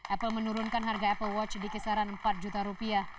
apple menurunkan harga apple watch di kisaran empat juta rupiah